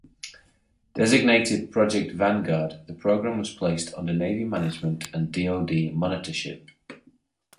Designated Project Vanguard, the program was placed under Navy management and DoD monitorship.